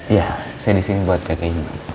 iya saya di sini buat kakek ibu bu rosa